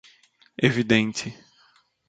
Evidente.